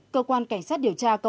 cơ quan cảnh sát điều tra công an